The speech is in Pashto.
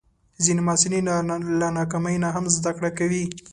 ځینې محصلین له ناکامۍ نه هم زده کړه کوي.